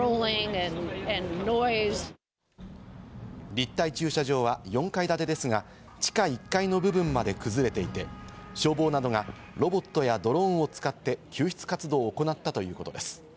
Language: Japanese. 立体駐車場は４階建てですが、地下１階の部分まで崩れていて、消防などがロボットやドローンを使って、救出活動を行ったということです。